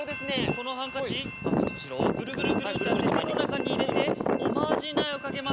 このハンカチ赤と白をぐるぐるぐるってやって手の中に入れておまじないをかけます。